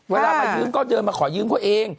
เวลามายืมก้อนเยินมาขอยืมเขาเอง